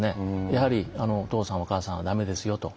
やはり、お父さん、お母さんはだめですよと。